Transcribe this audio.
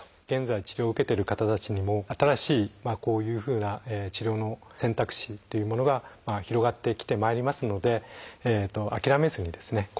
現在治療を受けている方たちにも新しいこういうふうな治療の選択肢というものが広がってきてまいりますので諦めずにですね